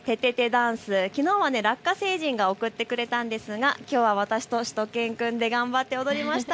ダンス、きのうはラッカ星人が送ってくれたんですがきょうは私としゅと犬くんで頑張って踊りました。